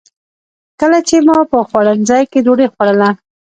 کله چې مو په خوړنځای کې ډوډۍ خوړله.